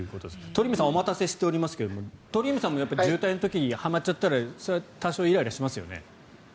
鳥海さんお待たせしておりますが鳥海さんも渋滞の時はまっちゃったら多少はイライラしますよね？